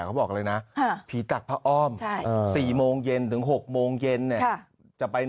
เขาบอกเลยนะผีตักพระอ้อม๔โมงเย็นถึง๖โมงเย็นเนี่ยจะไป